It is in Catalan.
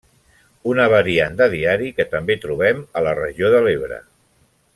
Una variant de diari, que també trobem a la regió de l’Ebre.